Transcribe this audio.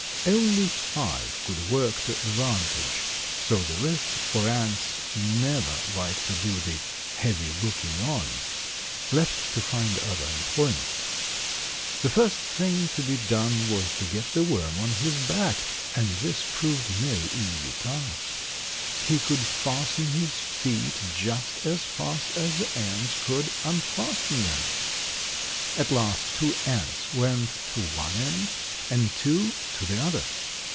Only five could work to advantage, so the rest, for ants never like to do the "heavy looking on," left to find other employment. The first thing to be done was to get the worm on his back, and this proved no easy task. He could fasten his feet just as fast as the ants could unfasten them. At last two ants went to one end and two to the other.